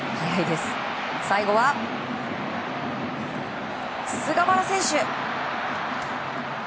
最後は菅原選手。